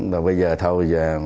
bây giờ thâu